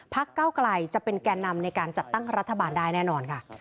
เก้าไกลจะเป็นแก่นำในการจัดตั้งรัฐบาลได้แน่นอนค่ะ